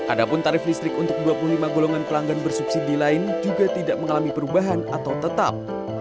ada pun tarif listrik untuk dua puluh lima golongan pelanggan bersubsidi lain juga tidak mengalami perubahan atau tetap